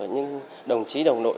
những đồng chí đồng đội